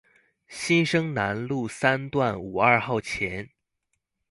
新生南路三段五二號前